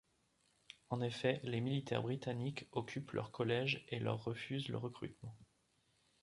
En effet les militaires britanniques occupent leur collège et leur refusent le recrutement.